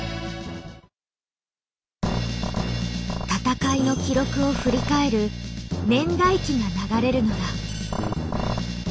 戦いの記録を振り返る年代記が流れるのだ。